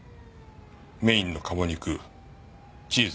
メインの鴨肉チーズ